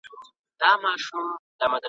یوه ورځ ورته ناڅا په مرګی ګوري ..